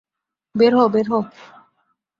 বের হও, বের হও!